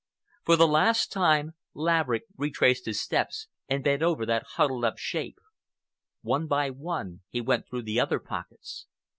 For the last time Laverick retraced his steps and bent over that huddled up shape. One by one he went through the other pockets.